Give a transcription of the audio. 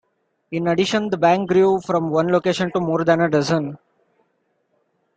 In addition the bank grew from one location to more than a dozen.